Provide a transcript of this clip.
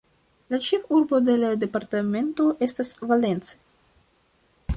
La ĉefurbo de la departemento estas Valence.